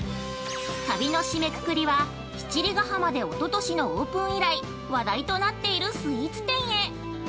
◆旅の締めくくりは七里ヶ浜でおととしのオープン以来話題となっているスイーツ店へ。